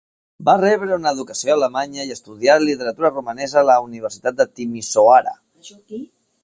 Va rebre una educació alemanya i estudià literatura romanesa a la Universitat de Timisoara.